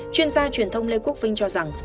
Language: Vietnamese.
chuyên gia truyền thông lê quốc vinh cho rằng